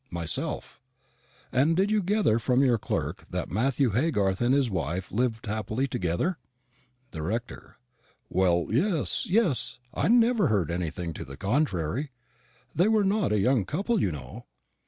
Myself. And did you gather from your clerk that Matthew Haygarth and his wife lived happily together? The Rector. Well, yes, yes: I never heard anything to the contrary. They were not a young couple, you know.